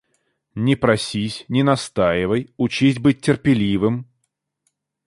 Не просись, не настаивай, учись быть терпеливым...